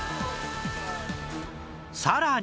さらに